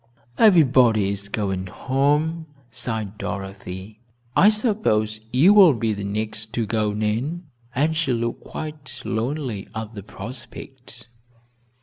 "Everybody is going home," sighed Dorothy. "I suppose you will be the next to go, Nan," and she looked quite lonely at the prospect.